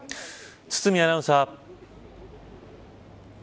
堤アナウンサー。